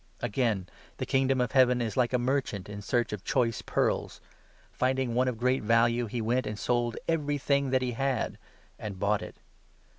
Parable Again, the Kingdom of Heaven is like a mer 45 of the Pearl, chant in search of choice pearls. Finding one of 46 great value, he went and sold everything that he had, and bought it.